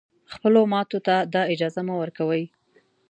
خپلو ماتو ته دا اجازه مه ورکوی